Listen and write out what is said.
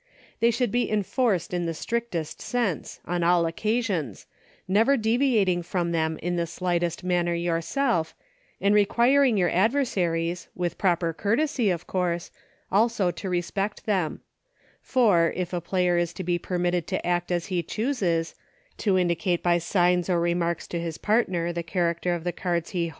They should be enforced in the strictest sense, on all occasions, never de viating from them in the slightest manner yourself, and requiring your adversaries, with proper courtesy, of course, also to respect them; for, if a player is to be permitted to act as he chooses — to indicate by signs or remarks to his partner the character of the cards he (88) LAWS.